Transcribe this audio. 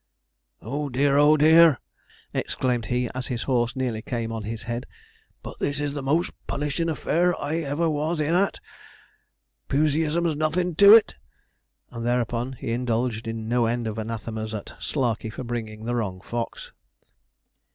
'Oh dear! oh dear!' exclaimed he, as his horse nearly came on his head, 'but this is the most punishin' affair I ever was in at. Puseyism's nothin' to it.' And thereupon he indulged in no end of anathemas at Slarkey for bringing the wrong fox.